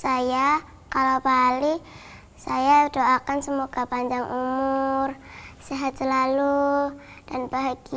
saya kalau pak ali saya doakan semoga panjang umur sehat selalu dan selalu bahagia